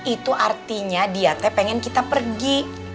itu artinya dia teh pengen kita pergi